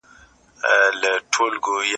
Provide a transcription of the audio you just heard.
موږ باید د اعدادو په ارزښت پوه سو.